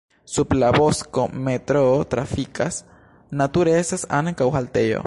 Sub la bosko metroo trafikas, nature estas ankaŭ haltejo.